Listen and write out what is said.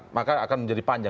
maka akan menjadi panjang